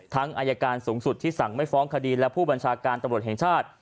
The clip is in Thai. อายการสูงสุดที่สั่งไม่ฟ้องคดีและผู้บัญชาการตำรวจแห่งชาติ